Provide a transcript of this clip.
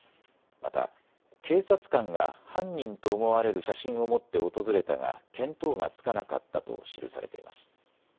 また警察官が犯人と思われる写真を持って訪れたが見当がつかなかったと記されています。